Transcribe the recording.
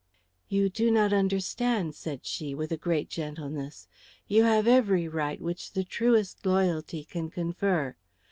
"You do not understand," said she, with a great gentleness. "You have every right which the truest loyalty can confer.